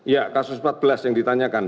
ya kasus empat belas yang ditanyakan